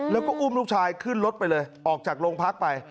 แล้วก็อุ้มลูกชายขึ้นรถไปเลยออกจากโรงพักไป